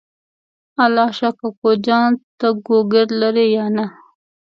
الله شا کوکو جان ته ګوګرد لرې یا نه؟